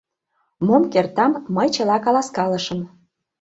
Мом кертам, мый чыла каласкалышым.